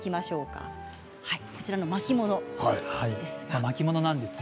こちらの巻物です。